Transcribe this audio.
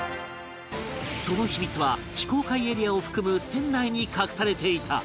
その秘密は非公開エリアを含む船内に隠されていた